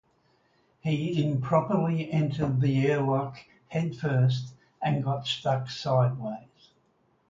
He improperly entered the airlock head-first and got stuck sideways.